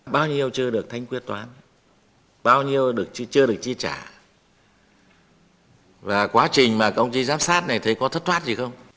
bao nhiêu chưa được thanh quyết toán bao nhiêu chưa được chi trả và quá trình mà công sĩ giám sát này thấy có thất thoát gì không